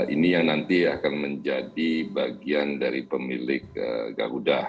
ini yang nanti akan menjadi bagian dari pemilik garuda